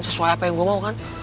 sesuai apa yang gue mau kan